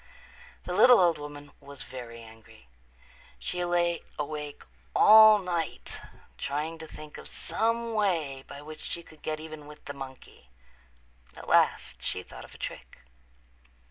The little old woman was very angry. She lay awake all night trying to think of some way by which she could get even with the monkey. At last she thought of a trick.